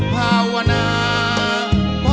ไม่ใช้